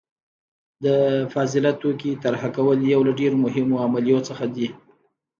د فاضله توکي طرحه کول یو له ډیرو مهمو عملیو څخه دي.